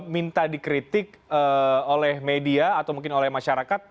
minta dikritik oleh media atau mungkin oleh masyarakat